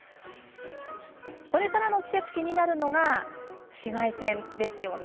これからの季節気になるのが紫外線ですよね。